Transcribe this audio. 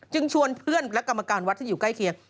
ชวนเพื่อนและกรรมการวัดที่อยู่ใกล้เคียง